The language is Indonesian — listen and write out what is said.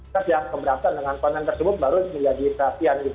tes yang keberatan dengan konten tersebut baru menjadi perhatian gitu